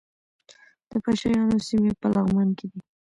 د پشه یانو سیمې په لغمان کې دي